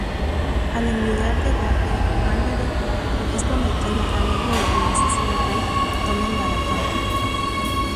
Al enviudar de Joffrey, Margaery es prometida al nuevo y jovencísimo rey, Tommen Baratheon.